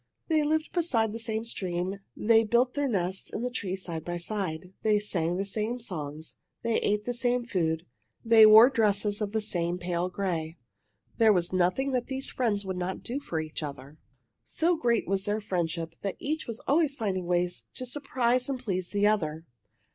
They lived beside the same stream. They built their nests in a tree side by side. They sang the same songs. They ate the same food. They wore dresses of the same pale gray. There was nothing that these friends would not do for each other. So great was their friendship that each was always finding ways to surprise and please the other.